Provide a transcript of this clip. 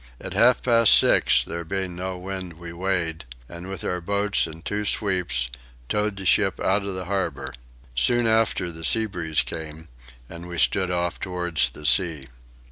At half past six there being no wind we weighed and, with our boats and two sweeps, towed the ship out of the harbour. Soon after the sea breeze came, and we stood off towards the sea.